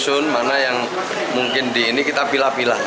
kita sudah menyusun mana yang mungkin di ini kita pilih pilih